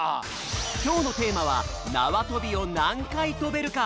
今日のテーマはなわとびを何回とべるか。